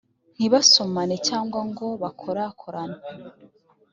ntibasomane cyangwa ngo bakorakorane